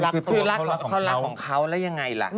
เขารักของเขาแล้วยังไงล่ะ